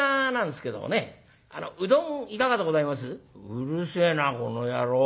「うるせえなこの野郎。